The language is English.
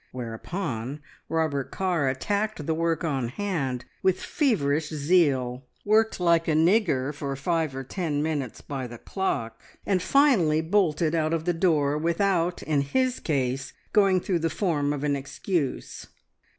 Whereupon Robert Carr attacked the work on hand with feverish zeal, worked like a nigger for five or ten minutes by the clock, and finally bolted out of the door, without, in his case, going through the form of an excuse.